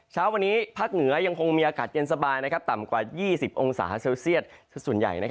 เช้าวันนี้ภาคเหนือยังคงมีอากาศเย็นสบายต่ำกว่า๒๐องศาเซลเซียตส่วนใหญ่